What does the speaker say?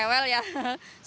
kalau biasanya rewel ya